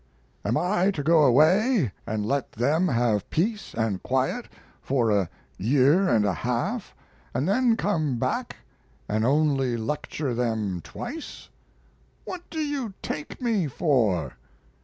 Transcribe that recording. Am I to go away and let them have peace and quiet for a year and a half, and then come back and only lecture them twice? What do you take me for?